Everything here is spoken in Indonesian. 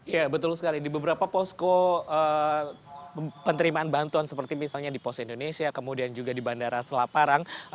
ya betul sekali di beberapa posko penerimaan bantuan seperti misalnya di pos indonesia kemudian juga di bandara selaparang